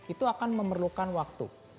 itu akan memerlukan waktu